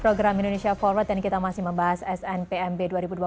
program indonesia forward dan kita masih membahas snpmb dua ribu dua puluh tiga